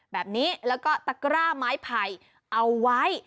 แบบนี้แล้วก็ตะกร้าไม้ไผ่เอาไว้